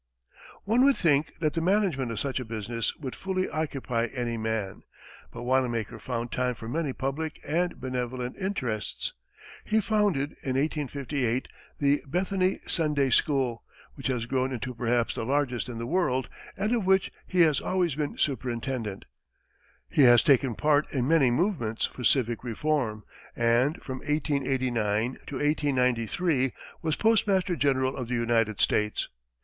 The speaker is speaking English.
One would think that the management of such a business would fully occupy any man, but Wanamaker found time for many public and benevolent interests. He founded, in 1858, the Bethany Sunday School, which has grown into perhaps the largest in the world and of which he has always been superintendent; he has taken part in many movements for civic reform, and from 1889 to 1893 was postmaster general of the United States.